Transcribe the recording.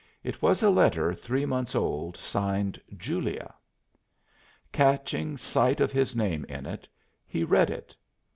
It was a letter three months old, signed "Julia." Catching sight of his name in it he read it.